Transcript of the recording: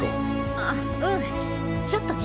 あっうんちょっとね。